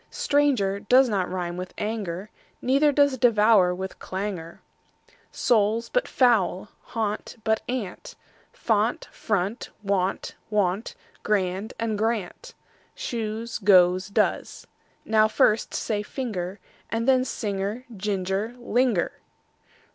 Stranger does not rime with anger, Neither does devour with clangour. Soul, but foul and gaunt, but aunt; Font, front, wont; want, grand, and, grant, Shoes, goes, does.) Now first say: finger, And then: singer, ginger, linger.